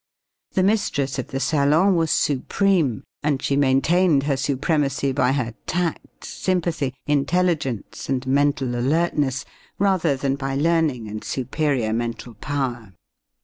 The mistress of the salon was supreme, and she maintained her supremacy by her tact, sympathy, intelligence and mental alertness, rather than by learning and superior mental power.